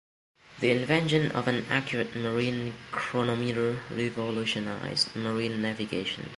The invention of an accurate marine chronometer revolutionized marine navigation.